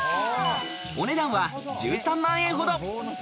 お値段は１３万円ほど。